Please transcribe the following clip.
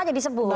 ini yang disebut